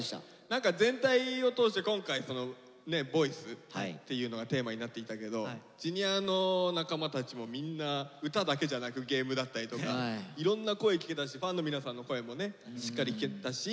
何か全体を通して今回ね「ＶＯＩＣＥ」っていうのがテーマになっていたけどＪｒ．の仲間たちもみんな歌だけじゃなくゲームだったりとかいろんな声聞けたしファンの皆さんの声もねしっかり聞けてたし。